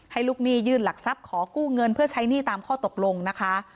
ลูกหนี้ยื่นหลักทรัพย์ขอกู้เงินเพื่อใช้หนี้ตามข้อตกลงนะคะ